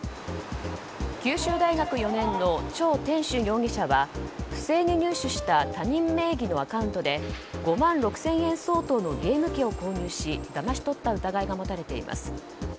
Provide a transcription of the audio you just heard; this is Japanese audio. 九州大学４年のチョウ・テンシュン容疑者は不正に入手した他人名義のアカウントで５万６０００円相当のゲーム機を購入しだまし取った疑いが持たれています。